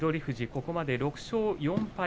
ここまで６勝４敗。